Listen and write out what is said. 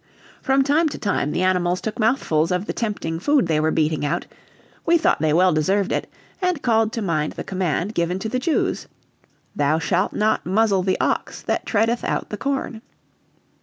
From time to time the animals took mouthfuls of the tempting food they were beating out; we thought they well deserved it, and called to mind the command given to the Jews, "Thou shalt not muzzle the ox that treadeth out the corn."